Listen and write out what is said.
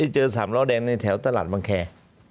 เจอสามล้อแดงในแถวตลาดบังแค